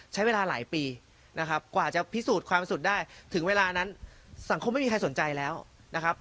ใช้เวลาหลายปีนะครับกว่าจะพิสูจน์ความรู้สึกได้ถึงเวลานั้นสังคมไม่มีใครสนใจแล้วนะครับ